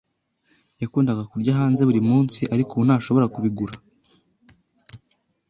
Yakundaga kurya hanze buri munsi, ariko ubu ntashobora kubigura.